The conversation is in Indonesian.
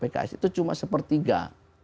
pks itu cuma sepertiga